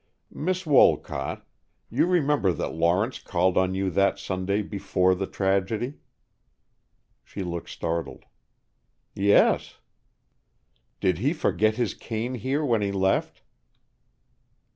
"Miss Wolcott, you remember that Lawrence called on you that Sunday before the tragedy?" She looked startled. "Yes." "Did he forget his cane here when he left?"